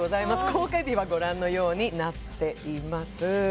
公開日はご覧のようになっています